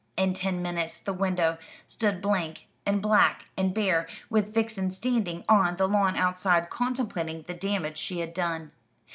In ten minutes the window stood blank, and black, and bare, with Vixen standing on the lawn outside, contemplating the damage she had done.